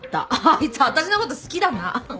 あいつ私の事好きだな。